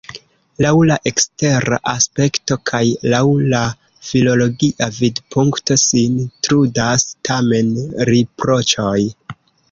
Laŭ la ekstera aspekto kaj laŭ la filologia vidpunkto sin trudas tamen riproĉoj.